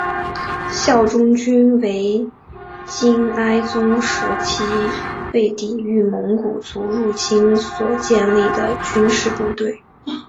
忠孝军为金哀宗时期为抵御蒙古族入侵所建立的军事部队。